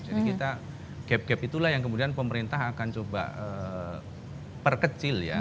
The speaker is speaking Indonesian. jadi kita gap gap itulah yang kemudian pemerintah akan coba perkecil ya